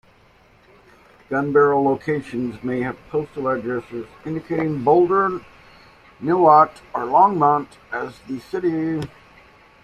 Gunbarrel locations may have postal addresses indicating Boulder, Niwot, or Longmont as the city.